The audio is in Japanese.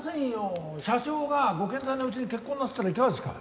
社長がご健在のうちに結婚なさったらいかがですか？